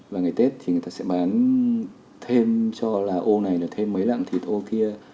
và ngày tết thì người ta sẽ bán thêm cho là ô này được thêm mấy lặng thịt ô kia